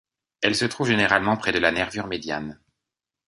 Elles se trouvent généralement près de la nervure médiane.